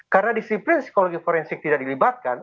karena disiplin psikologi forensik tidak dilibatkan